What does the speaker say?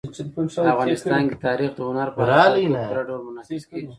افغانستان کې تاریخ د هنر په اثارو کې په پوره ډول منعکس کېږي.